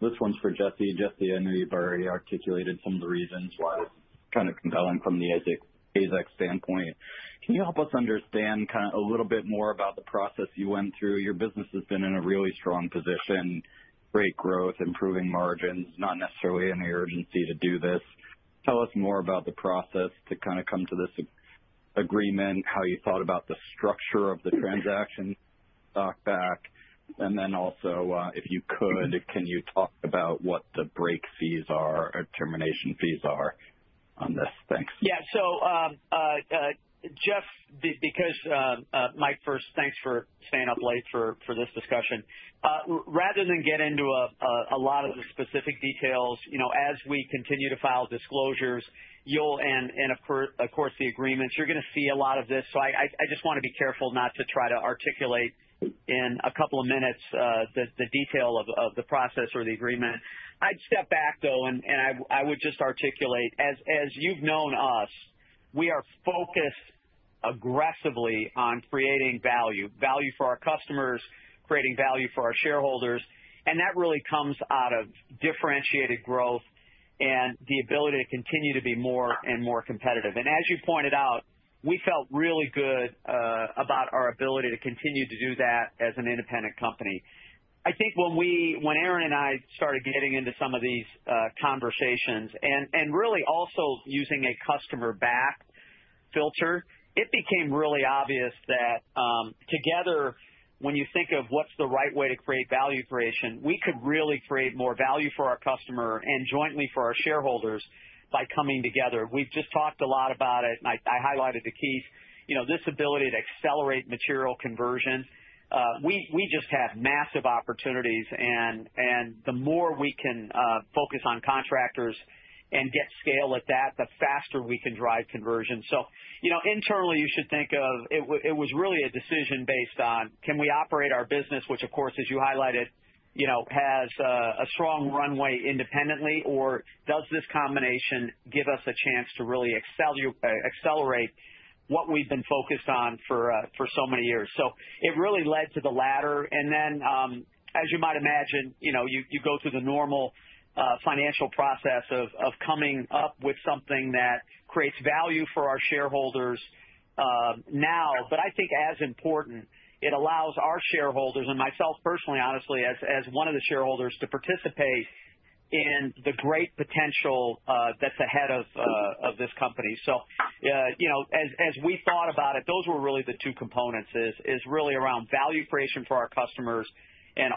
This one's for Jesse. Jesse, I know you've already articulated some of the reasons why this is kind of compelling from the AZEK standpoint. Can you help us understand kind of a little bit more about the process you went through? Your business has been in a really strong position, great growth, improving margins, not necessarily any urgency to do this. Tell us more about the process to kind of come to this agreement, how you thought about the structure of the transaction, stock buyback. Also, if you could, can you talk about what the break fees are or termination fees are on this? Thanks. Yeah. Jeff, Mike first, thanks for staying up late for this discussion. Rather than get into a lot of the specific details, as we continue to file disclosures, and of course, the agreements, you're going to see a lot of this. I just want to be careful not to try to articulate in a couple of minutes the detail of the process or the agreement. I'd step back, though, and I would just articulate. As you've known us, we are focused aggressively on creating value, value for our customers, creating value for our shareholders. That really comes out of differentiated growth and the ability to continue to be more and more competitive. As you pointed out, we felt really good about our ability to continue to do that as an independent company. I think when Aaron and I started getting into some of these conversations and really also using a customer-backed filter, it became really obvious that together, when you think of what's the right way to create value creation, we could really create more value for our customer and jointly for our shareholders by coming together. We've just talked a lot about it, and I highlighted to Keith this ability to accelerate material conversions. We just have massive opportunities. The more we can focus on contractors and get scale at that, the faster we can drive conversion. Internally, you should think of it was really a decision based on can we operate our business, which, of course, as you highlighted, has a strong runway independently, or does this combination give us a chance to really accelerate what we've been focused on for so many years? It really led to the latter. As you might imagine, you go through the normal financial process of coming up with something that creates value for our shareholders now. I think as important, it allows our shareholders and myself personally, honestly, as one of the shareholders, to participate in the great potential that's ahead of this company. As we thought about it, those were really the two components, really around value creation for our customers.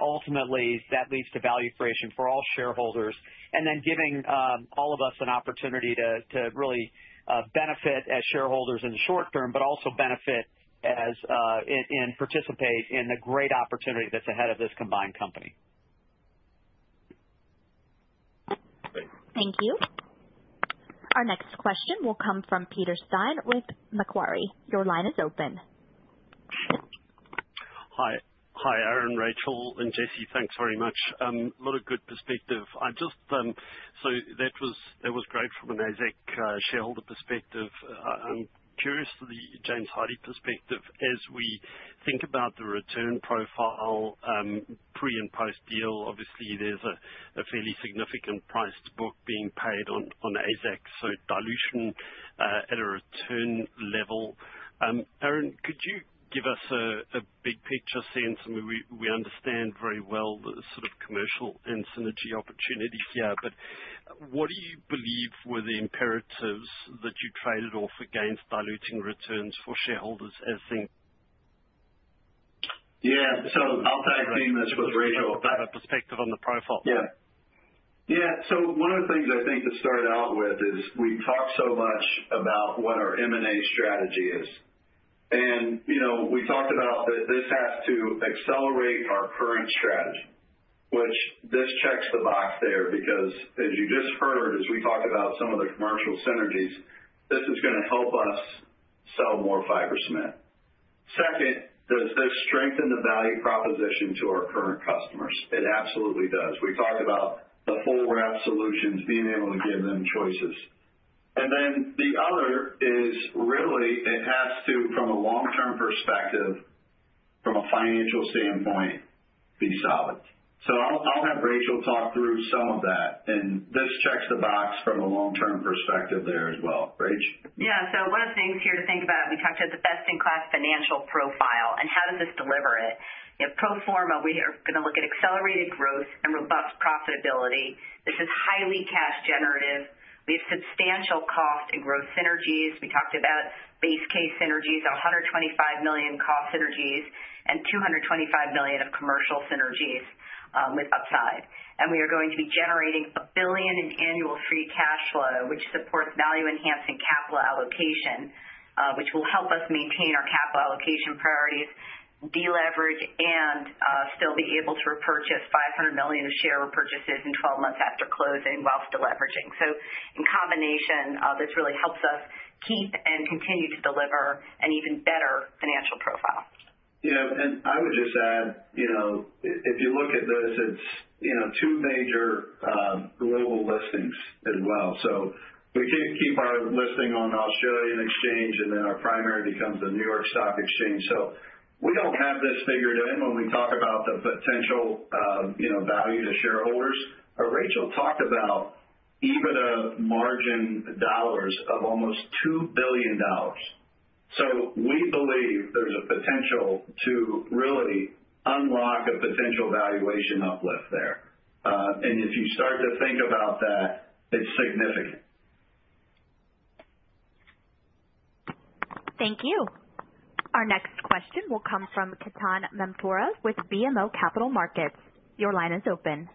Ultimately, that leads to value creation for all shareholders and then giving all of us an opportunity to really benefit as shareholders in the short term, but also benefit in participating in the great opportunity that is ahead of this combined company. Thank you. Our next question will come from Peter Steyn with Macquarie. Your line is open. Hi, Aaron, Rachel, and Jesse, thanks very much. A lot of good perspective. That was great from an AZEK shareholder perspective. I am curious from the James Hardie perspective. As we think about the return profile pre and post-deal, obviously, there is a fairly significant price to book being paid on AZEK, so dilution at a return level. Aaron, could you give us a big picture sense? I mean, we understand very well the sort of commercial and synergy opportunity here. What do you believe were the imperatives that you traded off against diluting returns for shareholders as things? Yeah. I'll tag team this with Rachel. Perspective on the profile. Yeah. Yeah. One of the things I think to start out with is we talked so much about what our M&A strategy is. We talked about that this has to accelerate our current strategy, which this checks the box there because, as you just heard, as we talked about some of the commercial synergies, this is going to help us sell more fiber cement. Second, does this strengthen the value proposition to our current customers? It absolutely does. We talked about the full wrap solutions being able to give them choices. The other is really it has to, from a long-term perspective, from a financial standpoint, be solid. I'll have Rachel talk through some of that. This checks the box from a long-term perspective there as well. Rachel? Yeah. One of the things here to think about, we talked about the best-in-class financial profile and how does this deliver it. Pro forma, we are going to look at accelerated growth and robust profitability. This is highly cash-generative. We have substantial cost and growth synergies. We talked about base case synergies, $125 million cost synergies, and $225 million of commercial synergies with upside. We are going to be generating $1 billion in annual free cash flow, which supports value-enhancing capital allocation, which will help us maintain our capital allocation priorities, deleverage, and still be able to repurchase $500 million of share repurchases in 12 months after closing while still leveraging. In combination, this really helps us keep and continue to deliver an even better financial profile. Yeah. I would just add, if you look at this, it's two major global listings as well. We can keep our listing on the Australian Exchange, and then our primary becomes the New York Stock Exchange. We do not have this figured in when we talk about the potential value to shareholders. Rachel talked about EBITDA margin dollars of almost $2 billion. We believe there is a potential to really unlock a potential valuation uplift there. If you start to think about that, it's significant. Thank you. Our next question will come from Ketan Mamtora with BMO Capital Markets. Your line is open.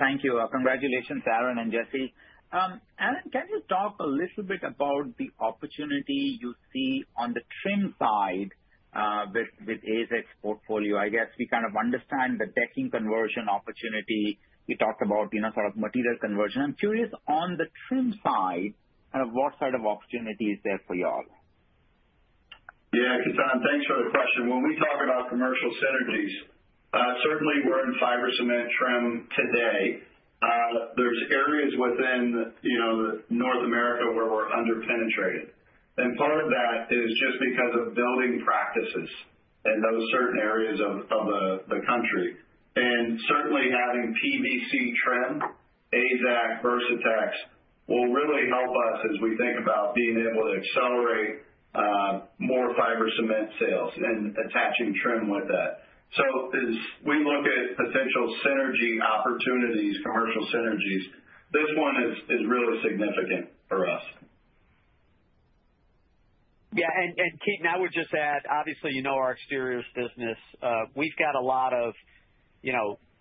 Thank you. Congratulations, Aaron and Jesse. Aaron, can you talk a little bit about the opportunity you see on the trim side with AZEK's portfolio? I guess we kind of understand the decking conversion opportunity. You talked about sort of material conversion. I'm curious, on the trim side, kind of what sort of opportunity is there for y'all? Yeah. Ketan, thanks for the question. When we talk about commercial synergies, certainly we're in fiber cement trim today. There are areas within North America where we're underpenetrated. Part of that is just because of building practices in those certain areas of the country. Certainly having PVC trim, AZEK, Versatex will really help us as we think about being able to accelerate more fiber cement sales and attaching trim with that. As we look at potential synergy opportunities, commercial synergies, this one is really significant for us. Yeah. And Ketan, I would just add, obviously, you know our exteriors business. We've got a lot of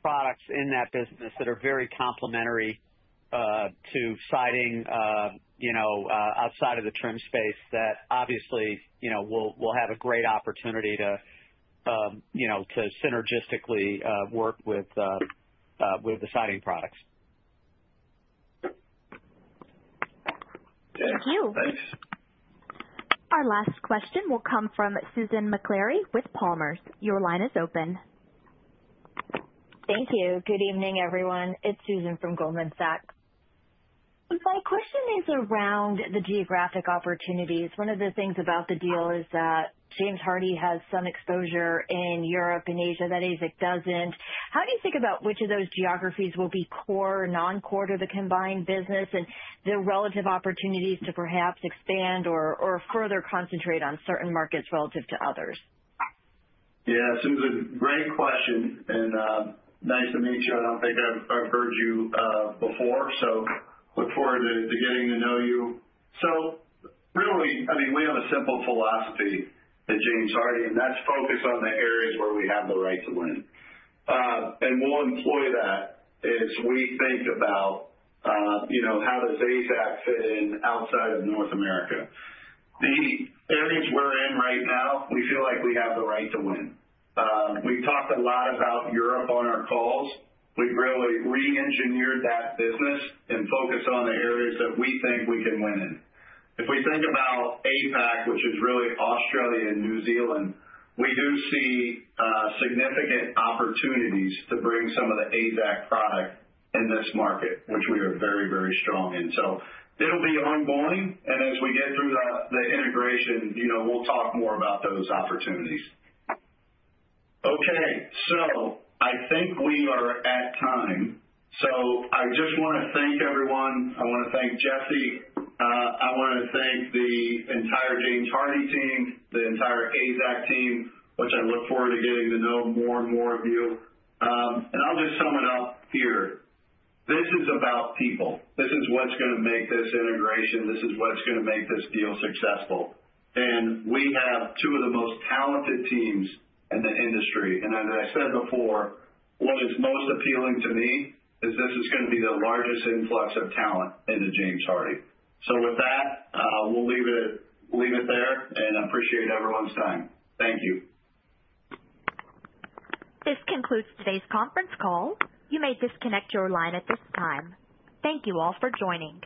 products in that business that are very complementary to siding outside of the trim space that obviously will have a great opportunity to synergistically work with the siding products. Thank you. Our last question will come from Susan Maklari with Palmers. Your line is open. Thank you. Good evening, everyone. It's Susan from Goldman Sachs. My question is around the geographic opportunities. One of the things about the deal is that James Hardie has some exposure in Europe and Asia that AZEK doesn't. How do you think about which of those geographies will be core or non-core to the combined business and the relative opportunities to perhaps expand or further concentrate on certain markets relative to others? Yeah. This is a great question. And nice to meet you. I don't think I've heard you before. Look forward to getting to know you. I mean, we have a simple philosophy at James Hardie, and that's focus on the areas where we have the right to win. We'll employ that as we think about how does AZEK fit in outside of North America. The areas we're in right now, we feel like we have the right to win. We've talked a lot about Europe on our calls. We've really re-engineered that business and focused on the areas that we think we can win in. If we think about APAC, which is really Australia and New Zealand, we do see significant opportunities to bring some of the AZEK product in this market, which we are very, very strong in. It'll be ongoing. As we get through the integration, we'll talk more about those opportunities. Okay so, I think we are at time. I just want to thank everyone. I want to thank Jesse. I want to thank the entire James Hardie team, the entire AZEK team, which I look forward to getting to know more and more of you. I'll just sum it up here. This is about people. This is what's going to make this integration. This is what's going to make this deal successful. We have two of the most talented teams in the industry. As I said before, what is most appealing to me is this is going to be the largest influx of talent into James Hardie. With that, we'll leave it there. I appreciate everyone's time. Thank you. This concludes today's conference call. You may disconnect your line at this time. Thank you all for joining.